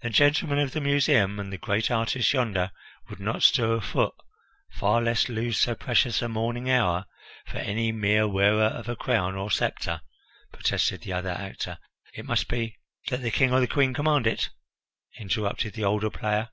"The gentlemen of the Museum and the great artists yonder would not stir a foot, far less lose so precious a morning hour, for any mere wearer of a crown or sceptre," protested the other actor; "it must be " "That the King or the Queen command it," interrupted the older player.